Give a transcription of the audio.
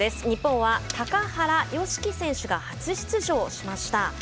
日本は高原宜希選手が初出場しました。